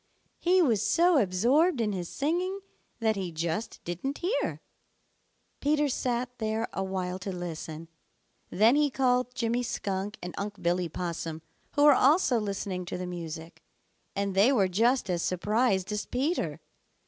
He was so absorbed in his singing that he just didn't hear. Peter sat there a while to listen; then he called Jimmy Skunk and Unc' Billy Possum, who were also listening to the music, and they were just as surprised as Peter.